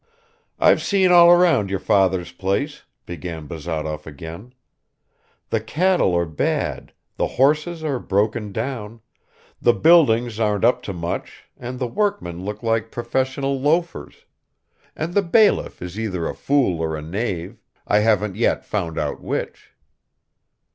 "I've seen all round your father's place," began Bazarov again. "The cattle are bad, the horses are broken down, the buildings aren't up to much, and the workmen look like professional loafers; and the bailiff is either a fool or a knave, I haven't yet found out which."